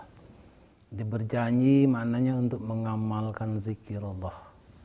jadi berjanji maknanya untuk mengamalkan zikir allah